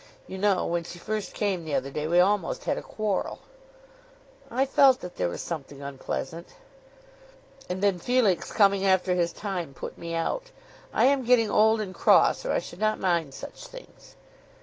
You know, when she first came the other day we almost had a quarrel." "I felt that there was something unpleasant." "And then Felix coming after his time put me out. I am getting old and cross, or I should not mind such things."